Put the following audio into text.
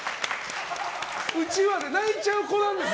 うちわで泣いちゃう子なんです。